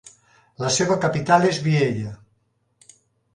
La seva capital és Biella.